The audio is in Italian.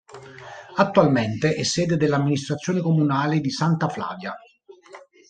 Attualmente è sede dell'amministrazione comunale di Santa Flavia.